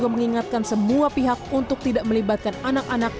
mengingatkan semua pihak untuk tidak melibatkan anak anak